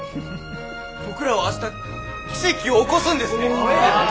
僕らは明日奇跡を起こすんですね。